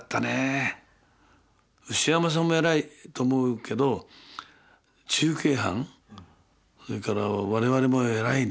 牛山さんも偉いと思うけど中継班それから我々も偉いね。